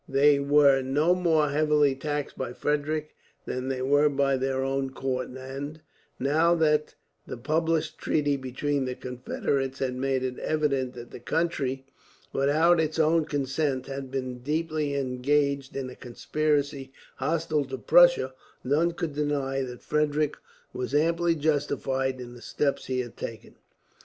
They were no more heavily taxed by Frederick than they were by their own court and, now that the published treaty between the Confederates had made it evident that the country, without its own consent, had been deeply engaged in a conspiracy hostile to Prussia, none could deny that Frederick was amply justified in the step he had taken.